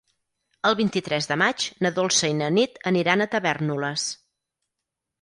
El vint-i-tres de maig na Dolça i na Nit aniran a Tavèrnoles.